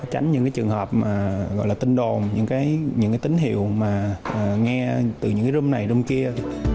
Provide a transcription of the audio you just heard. tránh những trường hợp gọi là tin đồn những tín hiệu nghe từ những rung này rung kia